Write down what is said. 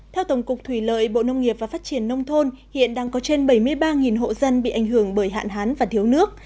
theo tổng cục thủy lợi bộ nông nghiệp và phát triển nông thôn hiện đang có trên bảy mươi ba hộ dân bị ảnh hưởng bởi hạn hán và thiếu nước